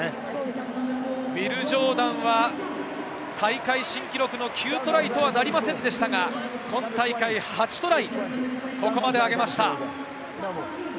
ウィル・ジョーダンは大会新記録の９トライとはなりませんでしたが、今大会、８トライをここまであげました。